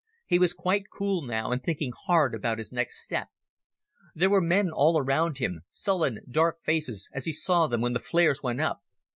He was quite cool now and thinking hard about his next step. There were men all around him, sullen dark faces as he saw them when the flares went up.